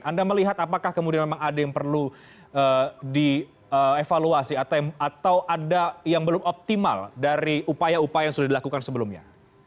anda melihat apakah kemudian memang ada yang perlu dievaluasi atau ada yang belum optimal dari upaya upaya yang sudah dilakukan sebelumnya